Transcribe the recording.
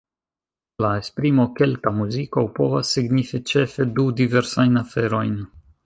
La esprimo "Kelta muziko" povas signifi ĉefe du diversajn aferojn.